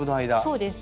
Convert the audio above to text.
そうです。